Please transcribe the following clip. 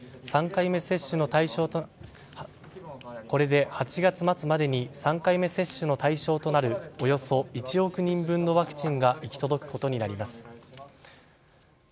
これで８月末までに３回目接種の対象となるおよそ１億人分のワクチンが行き届くことになります。